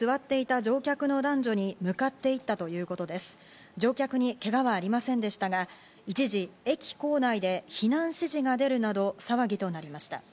乗客にけがはありませんでしたが、一時、駅構内で避難指示が出るなど、騒ぎとなりました。